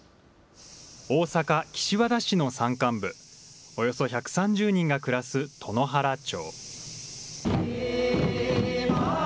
大阪・岸和田市の山間部、およそ１３０人が暮らす塔原町。